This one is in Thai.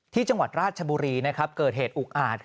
ที่จังหวัดราชบุษีเกิดเหตุอุอกอาศ